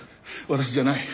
私じゃない。